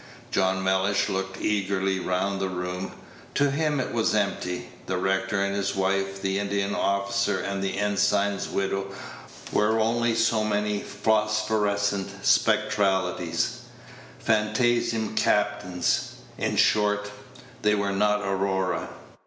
John Mellish looked eagerly round the room. To him it was empty. The rector and his wife, the Indian officer and the ensign's widow, were only so many "phosphorescent spectralities," "phantasm captains;" in short, they were not Aurora.